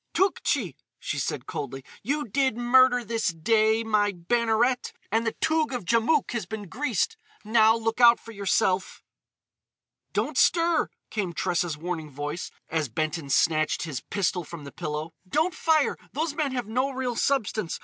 "Tougtchi!" she said coldly, "you did murder this day, my Banneret, and the Toug of Djamouk has been greased. Now look out for yourself!" "Don't stir!" came Tressa's warning voice, as Benton snatched his pistol from the pillow. "Don't fire! Those men have no real substance!